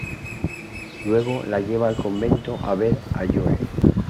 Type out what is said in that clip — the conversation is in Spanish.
Luego la lleva al convento a ver a Joe.